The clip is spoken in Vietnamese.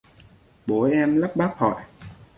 bố em lắp bắp hỏi